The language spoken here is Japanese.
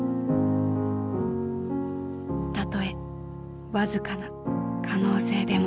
たとえ僅かな可能性でも。